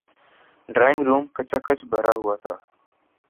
Drawing room کھچا کھچ بھرا ہوا تھا۔